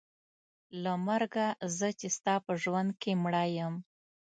له مرګه زه چې ستا په ژوند کې مړه یم.